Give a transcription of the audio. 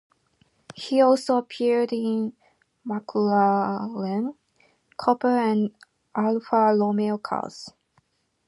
He also appeared in McLaren, Cooper and Alfa Romeo cars.